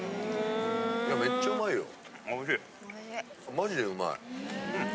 マジでうまい。